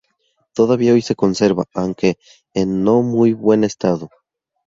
Todavía hoy se conserva, aunque en no muy buen estado.